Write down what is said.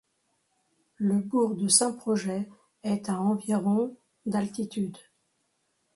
Le bourg de Saint-Projet est à environ d'altitude.